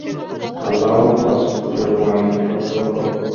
আল্লাহ্ প্রাচুর্যময়, সর্বজ্ঞ।